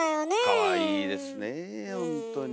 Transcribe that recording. かわいいですねほんとに。